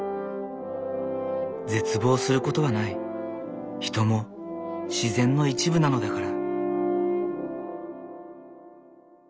絶望することはない人も自然の一部なのだから。